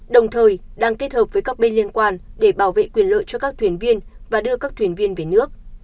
đồng thời đang kết hợp với các bên liên quan để bảo vệ quyền lợi cho các thuyền viên và đưa các thuyền viên về nước